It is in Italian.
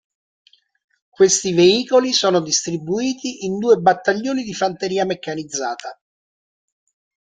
Questi veicoli sono distribuiti in due battaglioni di fanteria meccanizzata.